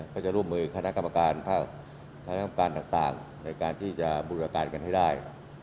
ก็จะร่วมมือคณะกรรมการภาคคณะกรรมการต่างในการที่จะบูรการกันให้ได้